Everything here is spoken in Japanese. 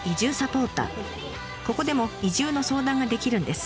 ここでも移住の相談ができるんです。